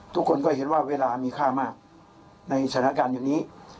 ทุกคนก็เห็นว่าเวลามีค่ามากในสถานการณ์อย่างนี้